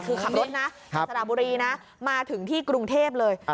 คือขับรถนะสระบุรีนะมาถึงที่กรุงเทพเลย